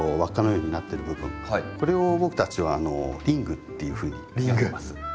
これを僕たちはリングっていうふうに呼んでます。